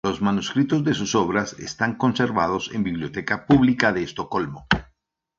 Los manuscritos de sus obras están conservados en Biblioteca Pública de Estocolmo.